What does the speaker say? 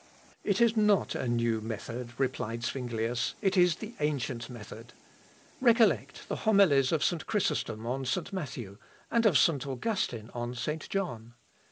"It is not a new method," replied Zuinglius, "it is the ancient method. Recollect the homilies of St. Chrysostom on St. Matthew, and of St. Augustine on St. John.